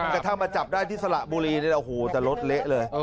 กระทั่งมาจับได้ที่สระบุรีนี่แหละโอ้โหแต่รถเละเลย